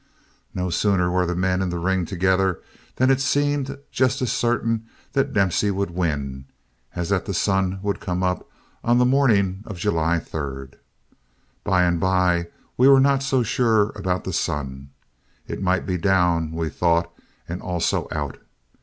No sooner were the men in the ring together than it seemed just as certain that Dempsey would win as that the sun would come up on the morning of July 3. By and by we were not so sure about the sun. It might be down, we thought, and also out.